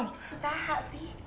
bisa gak sih